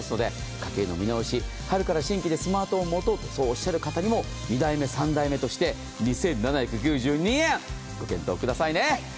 家計の見直し、春から新規でスマートフォンを持とうと検討している方、そうおっしゃる方にも２台目、３台目として２７９２円、ご検討くださいね。